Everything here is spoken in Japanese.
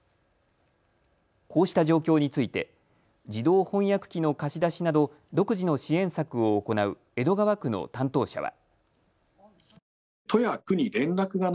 こうした状況について自動翻訳機の貸し出しなど独自の支援策を行う江戸川区の担当者は。